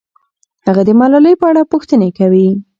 هغه د ملالۍ په اړه پوښتنې کوي.